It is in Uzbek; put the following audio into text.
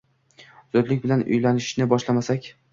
Zudlik bilan uyalishni boshlamasak